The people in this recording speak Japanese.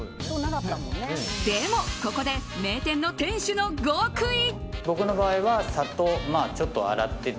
でも、ここで名店の店主の極意！